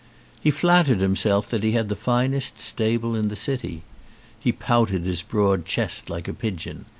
He flattered himself that he had the finest stable in the city. He pouted his broad chest like a pigeon.